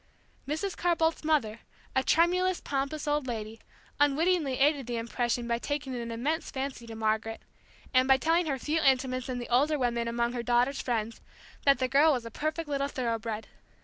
Mrs. Carr Boldt's mother, a tremulous, pompous old lady, unwittingly aided the impression by taking an immense fancy to Margaret, and by telling her few intimates and the older women among her daughter's friends that the girl was a perfect little thoroughbred.